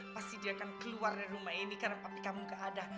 pasti dia akan keluar dari rumah ini karena tapi kamu gak ada